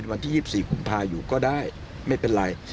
แล้วแต่ความว่าดูความเหมาะสม